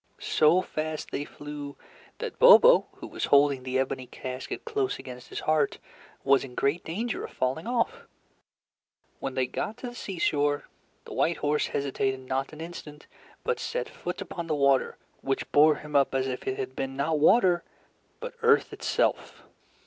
So fast they flew that Bobo, who was holding the ebony casket close against his heart, was in great danger of falling off. When they got to the seashore, the white horse hesitated not an instant, but set foot upon the water, which bore him up as if it had been, not water, but earth itself.